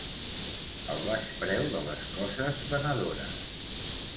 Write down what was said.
El baix preu de les coses venedores.